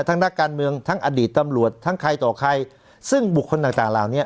นักการเมืองทั้งอดีตตำรวจทั้งใครต่อใครซึ่งบุคคลต่างต่างเหล่านี้